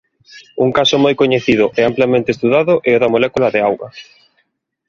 Un caso moi coñecido e amplamente estudado é o da molécula de auga.